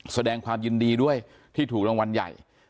แสดงความยินดีด้วยที่ถูกรางวัลใหญ่